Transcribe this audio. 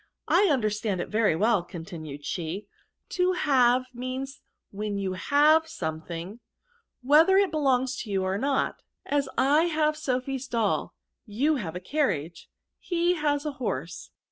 I un derstand it very well," continued she ;" to have means when you have something, whe ther it belongs to you or not ; as, * I have Z S54 VERBS. Sophy^s dolly you have a carriage, he has a horse.'